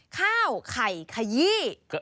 ข้าวไข่ขยี้